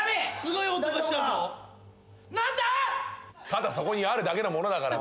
ただそこにあるだけの物だから。